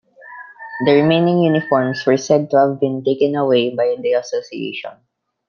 The remaining uniforms were said to have been taken away by the association.